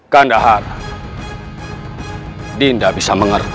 kandahan dinda bisa mengerti